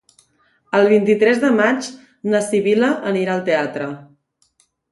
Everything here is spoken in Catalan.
El vint-i-tres de maig na Sibil·la anirà al teatre.